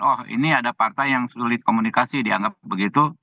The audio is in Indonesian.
oh ini ada partai yang sulit komunikasi dianggap begitu